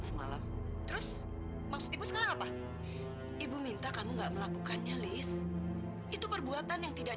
sampai jumpa di video selanjutnya